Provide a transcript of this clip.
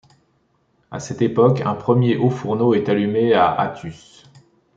À cette époque, un premier haut fourneau est allumé à Athus.